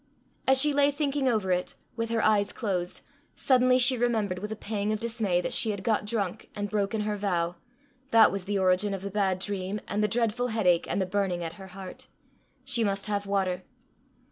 As she lay thinking over it, with her eyes closed, suddenly she remembered, with a pang of dismay, that she had got drunk and broken her vow that was the origin of the bad dream, and the dreadful headache, and the burning at her heart! She must have water!